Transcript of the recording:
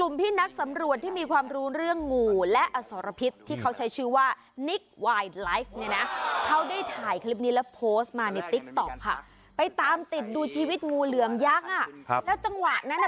มีสินะเอาได้ถ่ายคลิปนี้แล้วโพสต์มาในติ๊กต็อกค่ะไปตามติดดูชีวิตงูเหลืองยักษ์อ่ะครับแล้วจังหวะนั่น